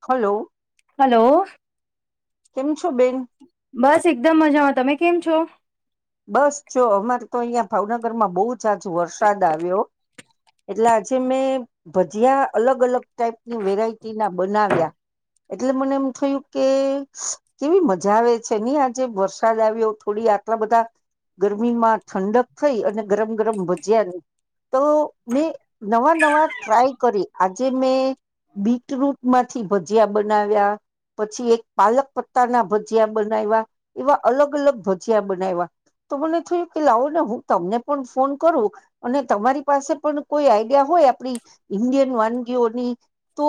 Hello hello કેમ છો બેન બસ એકદમ મજામાં, તમે કેમ છો? બસ જો અમારે તો અહીયાં ભાવનગરમાં બઉ જાજો વરસાદ આવ્યો. એટલે આજે મેં ભજીયા અલગ-અલગ ટાઈપની વેરાયટી ના બનાવ્યા, એટલે મને એમ થયું કે કેવી મજા આવે છે નઈ આજે વરસાદ આવ્યો થોડી આટલા બધા ગરમીમાં ઠંડક થઈ અને ગરમ-ગરમ ભજીયાની તો મેં નવા નવા ટ્રાય કરી આજ મે બીટરૂટ મા થી ભજીયા બનાવ્યા, પછી એક પાલક પત્તા ના ભજીયા બનાયવા એવા અલગ-અલગ ભજીયા બનાયવા તો મને થયું કે લાવો ને હું તમને પન ફોન કરું અને તમારી પાસે પણ કોઈ આઈડિયા હોય આપણી ઈન્ડિયન વાનગીઓની તો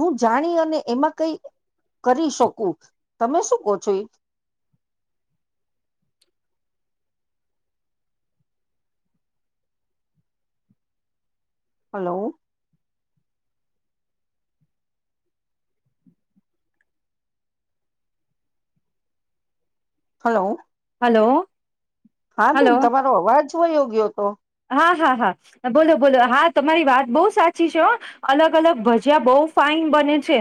હું જાણી અને એમાં કઈ કરી શકું તમે શું કહો છો એ? હલો હલો હલો હા બેન હલો તમારો અવાજ વયો ગ્યતો. હા હા હા બોલો બોલો હા તમારી વાત બઉ સાચી છે હ અલગ-અલગ ભજીયા બઉ ફાઈન બને છે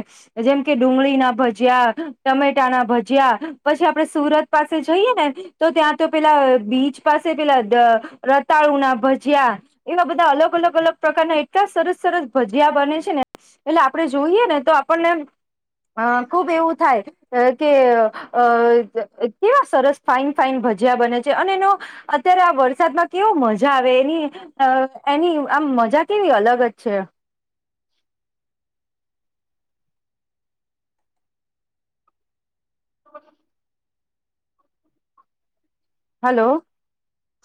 જેમ કે, ડુંગળીના ભજીયા, ટમેટા ના ભજીયા, પછી આપડે સુરત પાસે જઈએ ને તો ત્યાં તો પેલા બીચ પાસે પેલા ધ રતાળુ ના ભજીયા એવા બધા અલગ-અલગ, અલગ પ્રકારના એટલા સરસ-સરસ ભજીયા બને છે ને એટલે આપડે જોઈએ ને તો આપણને અ ખુબ એવું થાય કે, અ કેવા સરસ ફાઈન ફાઈન ભજીયા બને છે અને એનો અત્યારે આ વરસાદમાં કેવો મજા મજા આવે એની એની આમ મજા કેવી અલગ જ છે. હલો.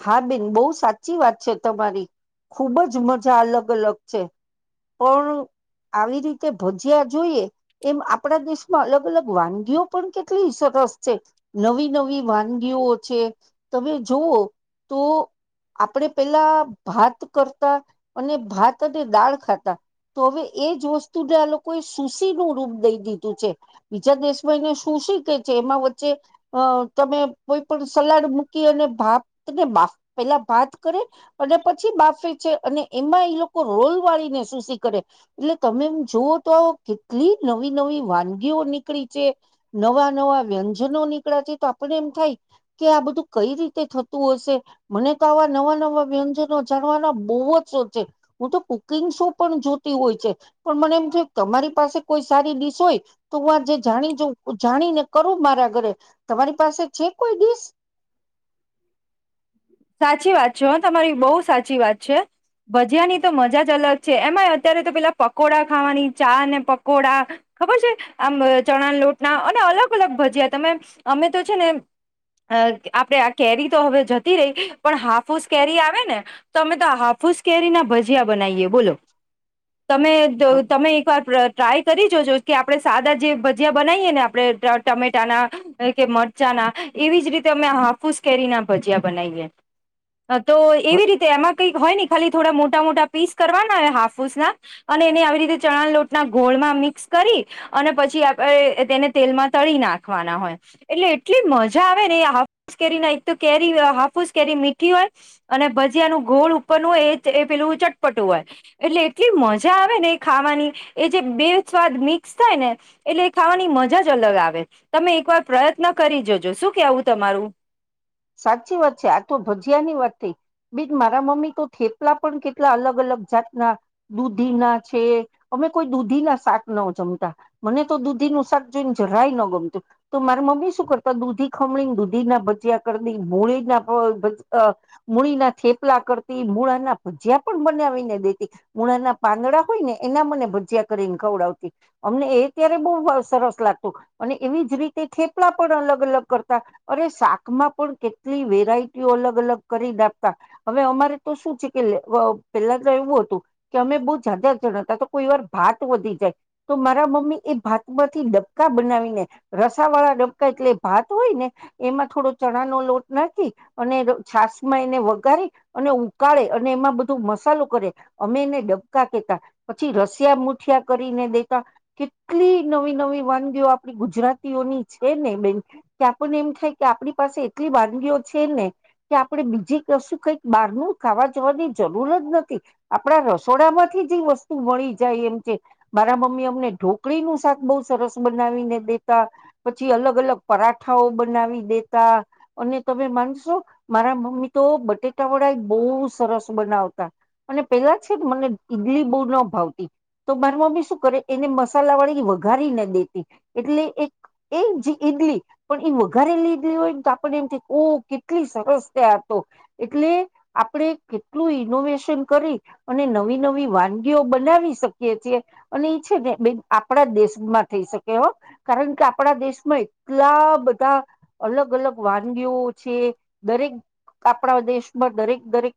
હા બેન બહુ સાચી વાત છે તમારી ખુબ જ મજા અલગ અલગ છે પણ આવી રીતે ભજયા જોઈએ એમ આપણા દેશમાં અલગ અલગ વાનગીઓ પણ કેટલી સરસ છે નવી નવી વાનગીઓ છે તમે જોઓ તો આપણેે પેલા ભાત કરતા અને ભાત અને દાળ ખાતા તો હવે એજ વસ્તુને આ લોકોએ સુશી નું રૂપ દઈ દીધું છે બીજા દેશભાઈને સુશી કે છે એમાં વચ્ચે અ તમે કોઈ પણ સલાડ મૂકી અને ભાત પેલા ભત કરે અને પછી બાફે છે અને એમાં એ લોકો રોલ વાળીને સુસીી કરે એટલે તમે એમ જુવ તો આવ કેટલી નવી નવી વાનગીઓ નીકળી છે નવા નવા વ્યંજનો નીકળ્યા છે તો આપને એમ થાય કે આ બધું કઈ રીતે થ. હ મને તો આવા નવા નવા વ્યંજનો જાણવાના બહુ જ શોખ છે હું તો કુકિંગ શો પણ જોતી હોય છે પણ મને એમ થય તમારી પાસે કોઈ સારી ડિશ હોય તો હું આ જે જાણી જાઉ જાણીને કરું મારા ઘરે તમારી પાસે છે કોઈ ડિશ. સાચી વાત છે તમારી બહુ સાચી વાત છે ભજીયાની તો મજા જ અલગ છે એમાં અત્યારે તો પેલા પકોડા ખાવાની ચા ને પકોડા ખબર છે આમ ચણા લોટના અને અલગ અલગ ભજીયા તમે અમે તો છે ને આપણેે આ કેરી તો હવે જ ર પણ હાફુસ કેરી આવે ને તો અમે તો હાફુસ કેરી ના ભજીયા બનાવીએ બોલો. તમે તમે એકવાર ટ્રાય કરી જોજો કે આપડે સાદા જે ભજીયા બનાવીયએ ને આપડણે ટમેટાના કે મરચાંના એવીજ રીતે અમે હાફુસ કેરી ના ભજીયા. તો એવી રીતે એમાં કઈક હોય ને ખાલી થોડા મોટા મોટા પીસ કરવાના હો હાફુસ ના અને એને આવી રીતે ચણા લોટના ગોળમાં મિક્સ કરી અને પછી તેને તેલમાં તળી નાખવાના હોય એટલે એટલી મજા આવે ને હાસ કેરી એક કેરી હાફુસ કેરી મીઠી હોય અને ભજીયાનું ગોળ ઉપરનું હોય એ એ પેલું ચટપટું હોય એટલે એટલી મજા આવે ને એ ખાવાની એ જે બે સ્વાદ મિક્સ થાય ને એટલે એ ખાવાની મજા જ અલગ આવે તમે એકવાર પ્રયત્ન કરી જજો શું કેવું તમારું. સાચી વાત છે આ તો ભજીયા ની વાત થઈ બીજ મારા મમ્મી તો થેપલા પણ કેટલા અલગ અલગ જાતના દૂધી ના છે અમે કોઈ દૂધી ના શાક ના જમતા મને તો દૂધી ન શાક જોઈને જરાય ન ગમતું તો મારા મમ્મી શું કરતા દૂધી ખમણી ને દૂધી ના ભજીયા મૂળીના મૂળીના થેપલા કરતી મૂળાના ભજીયા પણ બનાવીને દેતી મૂળાના પાંદડા હોય ને એના મને ભજીયા કરીને ખવડાવતી અમને એ ત્યારે બહ સરસ લાગતું અને એવી જ રીતે થેપલા પણ અલગ અલગ કરતા અરે શાક માં પણ કેટલી વેરાયટીઓ અલગ અલગ કરી ના આપતા હવે અમારે તો શું છે કે પેલા તો એવું હતું કે અમે બહુ જાદા જણાતા તો કોઈ વાર ભાત વધી જાય તો મારા મમ્મી એ ભાત માંથી ડબકા બનાવીને રસા વાળા ડબકા એટલે ભાત હોય ને એમાં થોડો લોટ નાખી અને છાસ માં એને વગારી અને ઉકાળે અને એમાં બધું મસાલો કરે અમે એને ડબકા કેતા પછી રસિયા મુઠિયા કરીને દેતા કેટલી નવી નવી વાનગીઓ આપડી ગુજરાતીઓની છે ને બેન કે આપને એમ થાય કે આપડી પા એટલી વાનગીઓ છે ને કે આપડણે બીજી વસ્તુ કઈક બહાર ન ખાવા જવાની જરૂર જ નથી આપડા રસોડા માંથી જે વસ્તુ મળી જાય એમ છે મારા મમ્મી અમને ઢોકળી નું શાક બહુ સરસ બનાવીને દેતા પછી અલગ અલગ પરાઠાઓ બનાવી દેતા. અને તમે માનશો મારા મમ્મી તો બટેટા વાળા બહુ સરસ બનાવતા અને પેલા છે મને ઈડલી બહુ ના ભાવતી તો મારા મમ્મી શું કરે એને મસાલા વાળી વઘારી ના દેતી એટલે એક એ જે ઈડલી પણ એ વઘારેલી ય આપને એમથી ઓ કેટલી સરસ ત્યાં હતો એટલે આપણેે કેટલું ઇનોવેશન કરી અને નવી નવી વાનગીઓ બનાવી શકીએ છીએ અને એ છે ને બે આપણા દેશમાં થઈ શકે હો કારણ કે આપણા દેશમાં એટલા બધા અલગ અલગ વાનગીઓ છે દરેક આપણા દેશમાં દરેક દરેક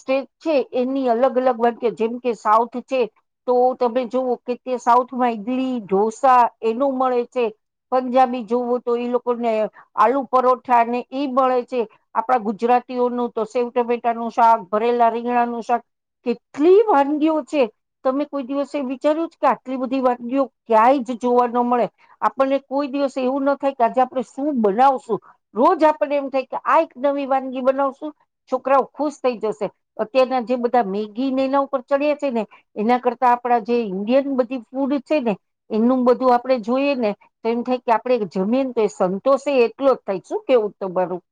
સ્ટેટ છે એની અલગ અલગ વાનગી જેમ કે સાઉથ છે તો તમે જોવઓ કે તે સાઉથમાં ઈદડી ઢોસા એનું મળે છે પંજાબી જોવો તો એ લોકો આલુ પરોઠા ને એ મળે છે આપણા ગુજરાતીઓનું તો સેવ ટમેટા નું શાક ભરેલા રીંગણા નું શાક કેટલી વાનગીઓ છે તમે કોઈ દિવસે વિચાર્યું કે આટલી બધી વાનગીઓ ક્યાંય જ જોવા ન મળે આપણને કોઈ દિવસ એવું ના થાય કે આજ આપ શું બનાવશું રોજ આપને એમ થાય કે આ એક નવી વાનગી બનાવશું છોકરાઓ ખુશ થઈ જશે અત્યારના જે બધા મેગીને એના ઉપર ચડ્યા છે ને એના કરતા આપડા જે ઈન્ડિયન બધી ફૂડ છે ને એનું બધું આપણે જોઈએ ને તો એમ થાય કે આપણે જમીન તો એ સંતોષ એ એટલો જ થાય શું કેવું તો બરું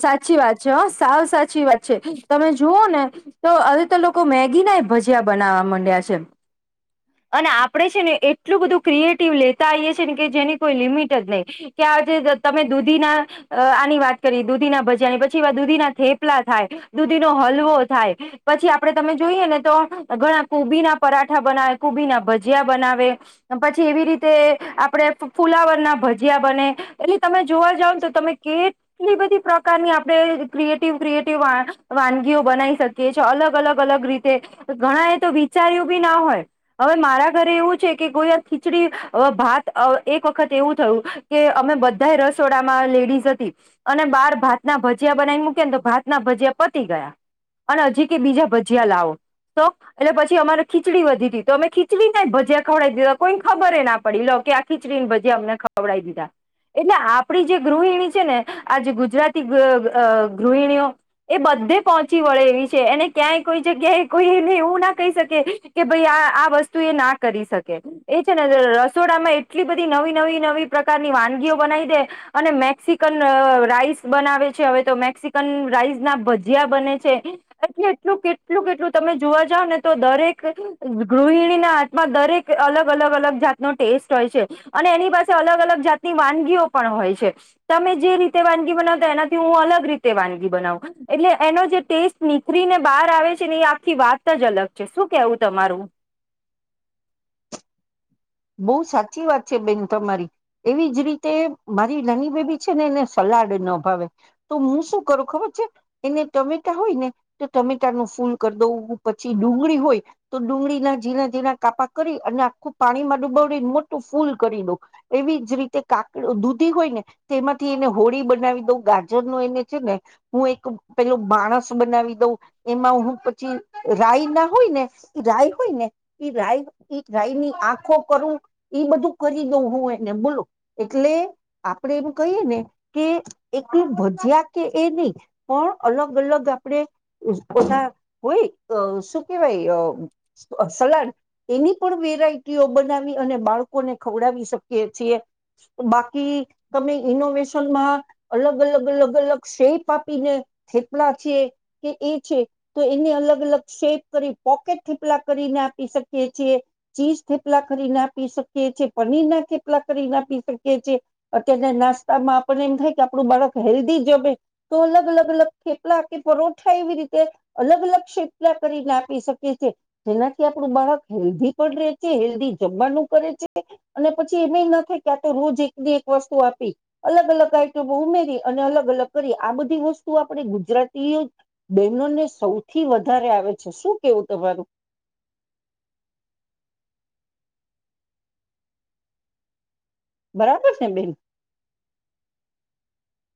સાચી વાત છે હ સાવ સાચી વાત છે તમે જુઓ ને તો હવે તો લોકો મેગી ના એ ભજીયા બનાવવા માંડ્યા છે. અને આપડણે છે ને એટલું બધું ક્રિએટિવ લેતા આવીઈએ છે ને કે જેની કોઈ લિમિટ જ નહી કે આજે તમે દૂધી ના આની વાત કરીએ દૂધીના ભજયાની પછી દૂધી ના થેપલા થાય દૂધીનો હલવો થાય પછી આપડે તમે જોઈએ ને તો ઘણા કોબી ના પરાઠા બનાવે કુભી ના ભજીયા બનાવે પછી એવી રીતે આપણે ફુલાવર ના ભજીયા બને એટલે તમે જોવા જાવ ને તો તમે કેટલી બધી પ્રકારની આપણે ક્રિએટિવ ક્રિએટિવ વાનગીઓ બનાવી શકીએ છે અલગ અલગ અલગ રીતે ઘણા એ તો વિચાર્યું બી ના હોય. હવે મારા ઘરે એવું છે કે કોઈ ખીચડી ભાત એક વખત એવું થયું કે અમે બધા રસોડામાં લેડીઝ હતી અને બાર ભાત ના ભજીયા બનાવીને મૂકી ને તો ભાત ના ભજીયા પતી ગયા અને હજી કે બીજા ભજીયા લાવો સોખ એટલે પછી અમારે ખીચડી વધી ત તો અમે ખીડીના ભજયા ખવડી દીધા કોઈને ખબરે ના પડી લો કે આ ખીચડીને ભજયા અમને ખવડાવી દીધા એટલે આપણી જે ગૃહિણી છે ને આજ ગુજરાતી ગૃહિણીઓ એ બધે પહોંચી વળે એવી છે એને ક્યાંય કોઈ જગ્યાએ કોઈ એને એવું ના કહી શકે કે ભાઈ આ આ વસ્તુ એ ના કરી શકે એ છે ને રસોડામાં એટલી બધી નવી નવી નવી પ્ર પ્રકારની વાનગીઓ બનાવી દે. અને મેક્સિકન રાઈસ બનાવે છે હવે તો મેક્સિકન રાઈસ ના ભજીયા બને છે એટલે એટલું કેટલું કેટલું તમે જોવા જાવ ને તો દરેક ગૃહિણીના હાથમાં દરેક અલગ અલગ અલગ જાતનો ટેસ્ટ હોય છે અને એની પાસે અલગ અલગ જાતની વાનગીઓ પણ હોય છે તમે જે રીતે વાનગી બનાવતા એનાથી હું અલગ રીતે વાનગી બનાવું એટલે એનો જે ટેસ્ટ નીકળીને બહાર આવે છે ને એ આખી વાત જ અલગ છે શું કેવું તમારું. બહુ સાચી વાત છે બેન તમારી એવી જ રીતે મારી નાની બેબી છે ને એને સલાડ ના ભાવે તો હું શું કરું ખબર છે એને ટમેટા હોય ને તો ટમેટાનું ફૂલ કરી દઉં પછી ડુંગળી હોય તો ડુંગળીના ઝીણા ઝીણા કાપા કરી અને આખું પાણી માટે ડુબડીને મોટું ફૂલ કરી દઉં એવી જ રીતે કાકડી દૂધી હોય ને તેમાંથી એને હોળી બનાવી દઉં ગાજર નું એને છે ને હું એક પેલો માણસ બનાવી દઉં એમાં હું પછી રાય ના હોય ને રાય હોય ને એ રાય રાયની આંખો એ બધું કરી દઉ હું એને બોલો એટલે આપડે એમ કહીએ ને કે એટલું ભજ્યા કે એ નહી પણ અલગ અલગ આપણે બધા હોય શું કેહેવાય સલાડ એની પણ વેરાયટીઓ બનાવી બાળકોને ખવડાવી શકીએ છએ બાકી તમે ઈનોવેશનમાં અલગ અલગ અલગ અલગ શેપ આપીને થેપલા છે કે એ છે તો એને અલગ અલગ શેપ કરી પોકેટ થેપલા કરીને આપી શકીએ છી ચીજ થપલા કરી ના આપી શકીી પનીર ના ખેપલા કરી ના પી શકીએ છે અત્યના નાસ્તામાં આપને એમ થાય કે આપડું બાળક હેલ્ધી જમે તો અલગ અલગ અલગ ખેપલા કે પરોઠા એવી રીતે અલગ અલગ શેપલા કરી ના આપી શકીએ છી જેનાથી આપડું બાળક હેલ્ધી પણ રહે છે હેલ્ધી જમવાનું કરે છે અને પછી એમ ના થાય કે આ તો રોજ એક દ એક વસ્તુ આપી અલગ અલગ આઈટ ઉમેરી અને અલગ અલગ કરી આ બધી વસ્તુ આપણે ગુજરાતીઓ બહેનોને સૌથી વધારે આવે છે શું કેવું તમારું. બરાબર છે બેન.